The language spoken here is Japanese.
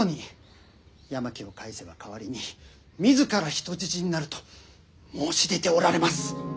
八巻を返せば代わりにみずから人質になると申し出ておられます。